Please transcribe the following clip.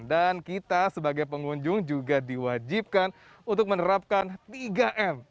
dan kita sebagai pengunjung juga diwajibkan untuk menerapkan tiga m